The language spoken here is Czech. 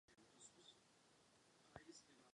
Čeho jejich prostřednictvím dosáhneme?